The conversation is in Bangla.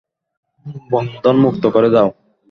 বন্ধন মুক্ত করে দাও।